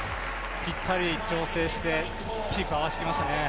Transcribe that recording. ぴったり調整して、きっちりと合わせてきましたね。